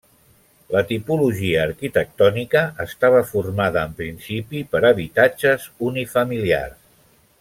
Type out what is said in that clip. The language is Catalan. La tipologia arquitectònica estava formada en principi per habitatges unifamiliars.